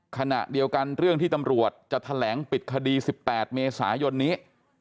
ขณะเดียวกันเรื่องที่ตำรวจจะแถลงปิดคดี๑๘เมษายนนี้